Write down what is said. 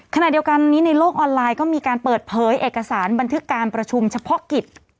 ขณะเดียวกันนี้ในโลกออนไลน์ก็มีการเปิดเผยเอกสารบันทึกการประชุมเฉพาะกิจ